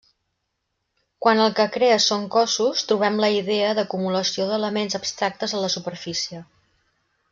Quan el que crea són cossos, trobem la idea d'acumulació d'elements abstractes en la superfície.